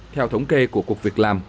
theo thống kê của cuộc việc làm